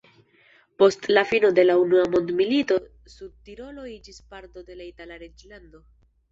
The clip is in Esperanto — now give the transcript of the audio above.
Post la fino de la unua mondmilito Sudtirolo iĝis parto de la Itala reĝlando.